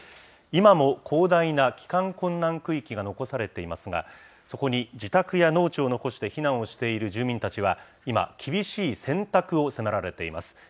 今も広大な帰還困難区域が残されていますが、そこに自宅や農地を残して避難をしている住民たちは、今、厳しい選択を迫られています。